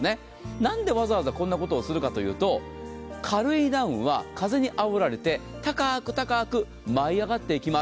なんでわざわざ、こんなことをするかというと、軽いダウンは風にあおられて高く高く舞い上がっていきます。